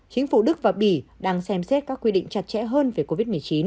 chính phủ đức và bỉ đang xem xét các quy định chặt chẽ hơn về covid một mươi chín